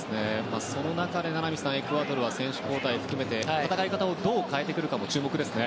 その中で、名波さんエクアドルは選手交代を含めて戦い方をどう変えてくるかも注目ですね。